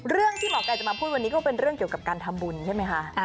ที่หมอไก่จะมาพูดวันนี้ก็เป็นเรื่องเกี่ยวกับการทำบุญใช่ไหมคะ